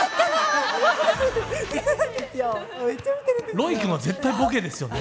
ロイ君は絶対ボケですよね。